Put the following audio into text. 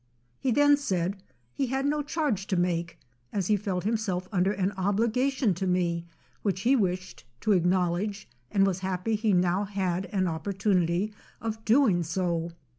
He then said, he had no charge to make, as he felt himself under an obliga tion to me, which he wished to acknowledge, and was happy he had now an opportunity of doing so.